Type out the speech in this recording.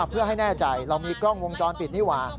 เพื่อให้แน่ใจเรามีกล้องวงจรปิดนี่หว่า